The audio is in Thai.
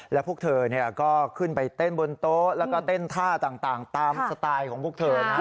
แล้วพวกเธอก็ขึ้นไปเต้นบนโต๊ะแล้วก็เต้นท่าต่างตามสไตล์ของพวกเธอนะ